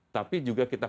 tapi juga kita